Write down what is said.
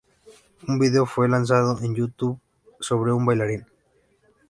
Un video fue lanzado en YouTube sobre un bailarín.